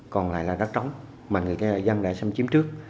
còn lại là đất trống mà người dân đã xâm chiếm trước